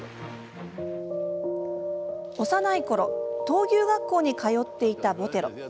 幼いころ闘牛学校に通っていたボテロ。